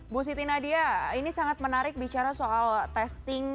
bu siti nadia ini sangat menarik bicara soal testing